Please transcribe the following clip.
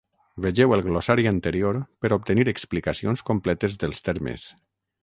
Vegeu el glossari anterior per obtenir explicacions completes dels termes.